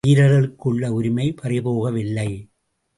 வீரர்களுக்கு உள்ள உரிமை பறிபோகவில்லை.